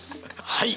はい。